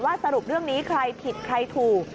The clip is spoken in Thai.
สรุปเรื่องนี้ใครผิดใครถูก